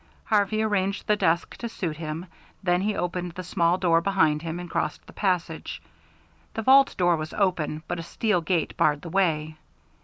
Harvey arranged the desk to suit him, then he opened the small door behind him and crossed the passage. The vault door was open, but a steel gate barred the way.